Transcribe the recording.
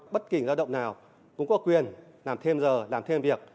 bất kỳ lao động nào cũng có quyền làm thêm giờ làm thêm việc